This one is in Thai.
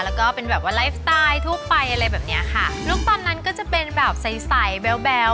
แล้วก็เป็นแบบว่าไลฟ์สไตล์ทั่วไปอะไรแบบเนี้ยค่ะลูกตอนนั้นก็จะเป็นแบบใสใสแบ๊วแบ๊ว